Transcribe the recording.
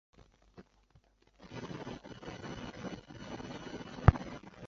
感情故事的部分被之后大受欢迎的同名作品改编。